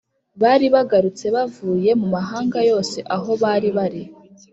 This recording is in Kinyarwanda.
bari bagarutse bavuye mu mahanga yose aho baribari